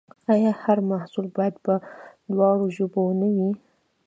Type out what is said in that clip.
آیا هر محصول باید په دواړو ژبو نه وي؟